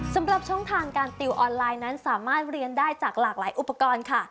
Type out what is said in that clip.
สำหรับช่องทางการติวออนไลน์นั้นสามารถเรียนได้จากหลากหลายอุปกรณ์ค่ะ